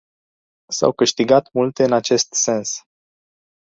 S-au câștigat multe în acest sens.